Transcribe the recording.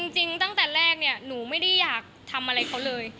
จริงตั้งแต่แรกเนี่ยหนูไม่ได้อยากทำอะไรเขาเลย